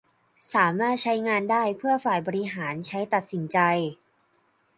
สามารถใช้งานได้เพื่อฝ่ายบริหารใช้ตัดสินใจ